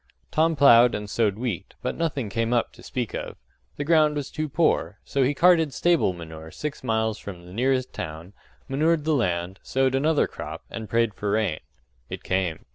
Tom ploughed and sowed wheat, but nothing came up to speak of the ground was too poor; so he carted stable manure six miles from the nearest town, manured the land, sowed another crop, and prayed for rain. It came.